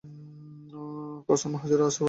কসম হাজরে আসওয়াদের।